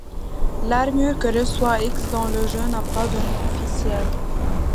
L'armure que reçoit X dans le jeu n'a pas de nom officiel.